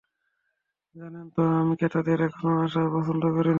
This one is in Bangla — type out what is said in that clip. জানেন তো, আমি ক্রেতাদের এখানে আসা পছন্দ করি না।